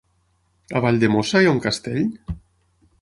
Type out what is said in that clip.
A Valldemossa hi ha un castell?